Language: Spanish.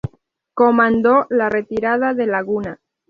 Comandó la "Retirada de Laguna".